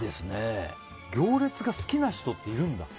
行列が好きな人っているんだ。